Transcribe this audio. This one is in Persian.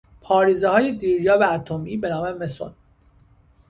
پاریزه های دیر یاب اتمی بنام مسون